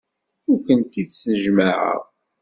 Ur kent-id-snejmaɛeɣ.